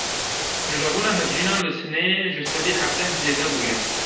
Cudabûna hevjînan li Sineyê ji sedî hevdeh zêde bûye.